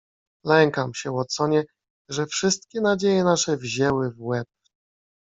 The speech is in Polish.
"Lękam się, Watsonie, że wszystkie nadzieje nasze wzięły w łeb."